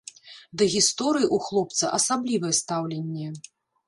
Да гісторыі ў хлопца асаблівае стаўленне.